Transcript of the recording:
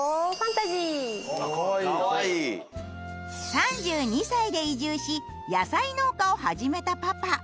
３２歳で移住し野菜農家を始めたパパ。